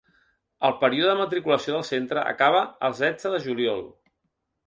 El període de matriculació del centre acaba el setze de juliol.